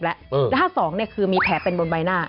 และถ้า๒คือมีแผลเป็นบนใบหน้า